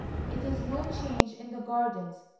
It is no change in the gardens.